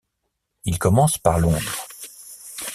Il commence par Londres.